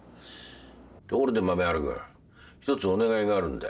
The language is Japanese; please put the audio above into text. ところで豆原君一つお願いがあるんだ。